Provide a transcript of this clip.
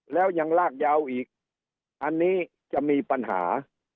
แล้วยังลากยาวอีกอันนี้จะมีปัญหา